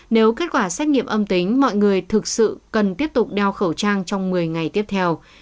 nếu kết quả xét nghiệm âm tính mọi người thực sự cần tiếp tục đeo khẩu trang trong một mươi ngày tiếp theo